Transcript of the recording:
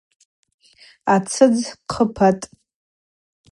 Ацӏыдз хъыпатӏ.